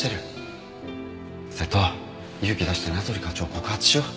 瀬戸勇気出して名取課長を告発しよう。